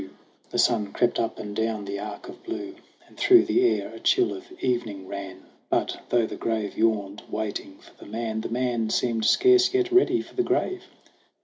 GRAYBEARD AND GOLDHAIR 23 The sun crept up and down the arc of blue And through the air a chill of evening ran ; But, though the grave yawned, waiting for the man, The man seemed scarce yet ready for the grave.